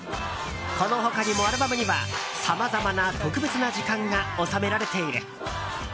この他にもアルバムにはさまざまな特別な時間が収められている。